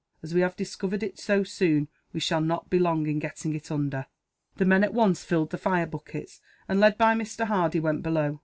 As we have discovered it so soon, we shall not be long in getting it under." The men at once filled the fire buckets and, led by Mr. Hardy, went below.